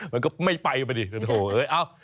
มันก็ไม่ไปดิโถเอ้ย